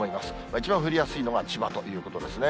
一番降りやすいのが千葉ということですね。